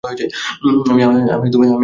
আমি আমল যোশি।